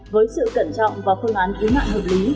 với sự cẩn trọng và phương án ý mạng hợp lý